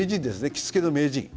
着付けの名人。